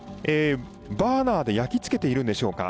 バーナーで焼き付けているんでしょうか。